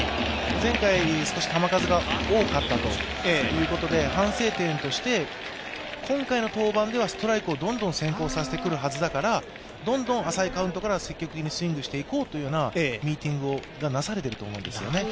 前回、少し球数が多かったということで反省点として今回の登板ではストライクをどんどん先行させてくるはずだからどんどん浅いカウントから積極的にスイングしていこうというようなミーティングがなされていると思うんですね。